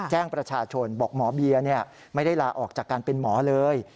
แจ้งประชาชนบอกหมอเบียไม่ได้ลาออกจากการเป็นหมอเลย